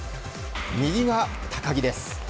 右が高木です。